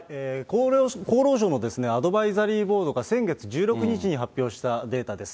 厚労省のアドバイザリーボードが先月１６日に発表したデータです。